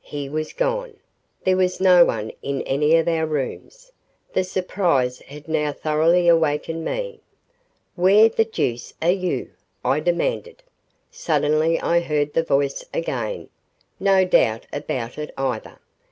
He was gone. There was no one in any of our rooms. The surprise had now thoroughly awakened me. "Where the deuce are you?" I demanded. Suddenly I heard the voice again no doubt about it, either.